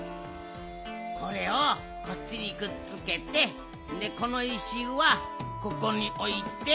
これをこっちにくっつけてこの石はここにおいて。